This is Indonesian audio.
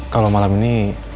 kalau malam ini